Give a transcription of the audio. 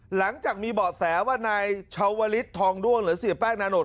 หลังจากมีเบาะแสว่านายชาวลิศทองด้วงหรือเสียแป้งนานด